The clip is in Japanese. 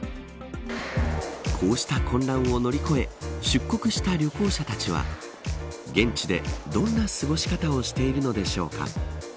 こうした混乱を乗り越え出国した旅行者たちは現地でどんな過ごし方をしているのでしょうか。